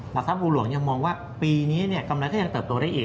หลักษัตริย์บูรุ่งหลวงว่าปีนี้กำไรก็ยังเติบโตได้อีก